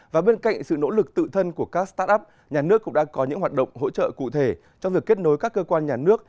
và bên cạnh sự nỗ lực tự thân của các start up nhà nước cũng đã có những hoạt động hỗ trợ cụ thể trong việc kết nối các cơ quan nhà nước